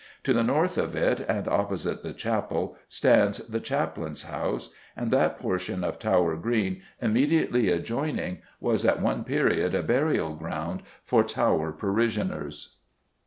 To the north of it, and opposite the Chapel, stands the Chaplain's House, and that portion of Tower Green immediately adjoining was at one period a burial ground for "Tower parishioners."